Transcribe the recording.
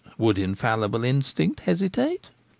Would infallible instinct hesitate